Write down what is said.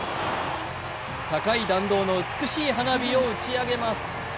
高い弾道の美しい花火を打ち上げます。